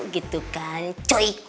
gitu kan cuy